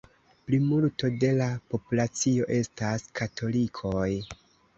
Plimulto de la populacio estas katolikoj.